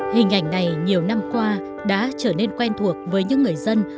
hình ảnh này nhiều năm qua đã trở nên quen thuộc với những người dân